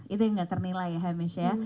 itu yang gak ternilai ya hamish ya